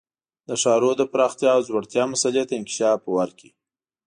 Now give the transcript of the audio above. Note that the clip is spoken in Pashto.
د ښارونو د پراختیا او ځوړتیا مسئلې ته انکشاف ورکړي.